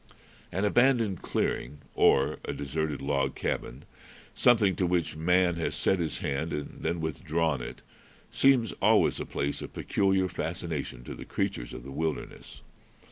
An abandoned clearing or a deserted log cabin, something to which man has set his hand and then withdrawn it, seems always a place of peculiar fascination to the creatures of the wilderness.